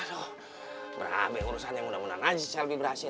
aduh brabe urusannya mudah mudahan aja selby berhasil